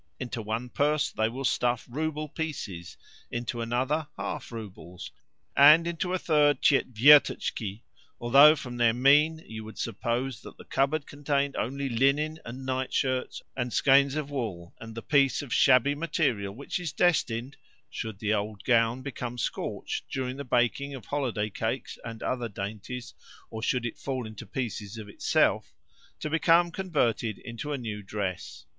Into one purse they will stuff rouble pieces, into another half roubles, and into a third tchetvertachki , although from their mien you would suppose that the cupboard contained only linen and nightshirts and skeins of wool and the piece of shabby material which is destined should the old gown become scorched during the baking of holiday cakes and other dainties, or should it fall into pieces of itself to become converted into a new dress.